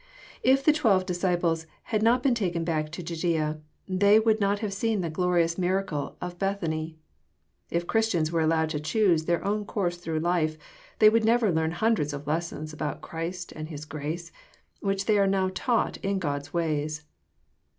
If the twelve disciples had not been taken back into Judaea, they would not have seen the glorious miracle of Bethany. If Christians were allowed to choose their own course through life, they would never learn hundreds of lessons about Christ and His grace, which they are now taught in God's ways.